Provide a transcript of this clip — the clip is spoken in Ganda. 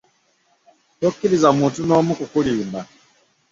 Tokkiriza muntu n'omu kukulimba.